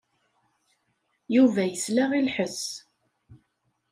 Yuba yesla i lḥess.